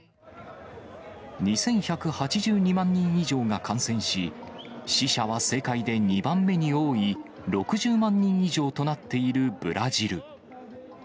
２１８２万人以上が感染し、死者は世界で２番目に多い６０万人以上となっているブラジル。